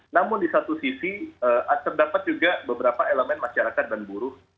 namun di satu sisi terdapat juga beberapa elemen masyarakat dan buruh